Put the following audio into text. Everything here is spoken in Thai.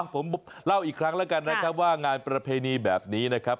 ผมเล่าอีกครั้งแล้วกันนะครับว่างานประเพณีแบบนี้นะครับ